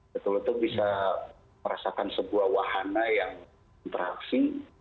betul betul bisa merasakan sebuah wahana yang interaksi